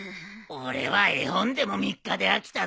俺は絵本でも３日で飽きたぞ。